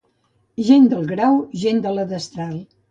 Gent del grau, gent de la destral.